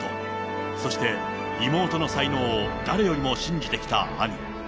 そして、妹の才能を誰よりも信じてきた兄。